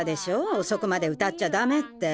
おそくまで歌っちゃダメって。